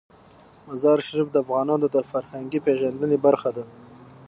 مزارشریف د افغانانو د فرهنګي پیژندنې برخه ده.